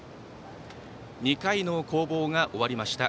２回の攻防が終わりました。